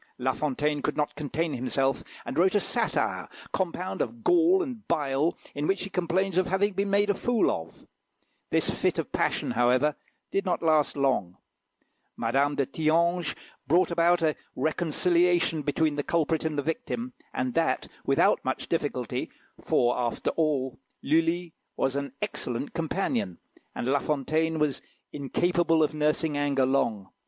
La Fontaine could not contain himself, and wrote a satire, compound of gall and bile, in which he complains of having been made a fool of. This fit of passion, however, did not last long. Madame de Thianges brought about a reconciliation between the culprit and the victim, and that without much difficulty, for, after all, Lulli was an excellent companion, and La Fontaine was incapable of nursing anger long.